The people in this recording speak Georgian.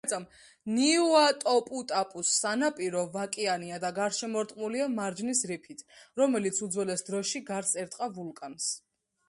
ნიუატოპუტაპუს სანაპირო ვაკიანია და გარშემორტყმულია მარჯნის რიფით, რომელიც უძველეს დროში გარს ერტყა ვულკანს.